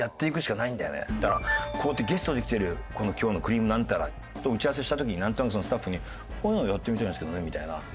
だからこうやってゲストで来てるこの今日の『くりぃむナンタラ』打ち合わせした時になんとなくそのスタッフに「こういうのやってみたいんですけどね」みたいな。